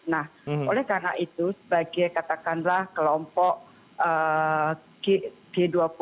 nah oleh karena itu sebagai katakanlah kelompok g dua puluh